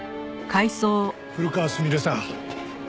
古川すみれさん。